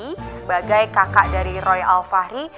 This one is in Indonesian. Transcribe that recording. di sebagai kakak dari roy alfahri